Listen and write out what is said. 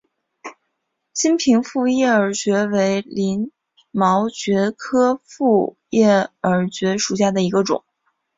金平复叶耳蕨为鳞毛蕨科复叶耳蕨属下的一个种。